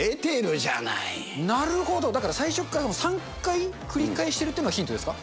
なるほど、だから最初から３回繰り返してるっていうのがヒントですか？